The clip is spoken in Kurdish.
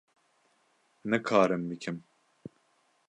Nikarim bikim.